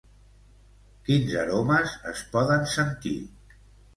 Quins aromes es poden sentir?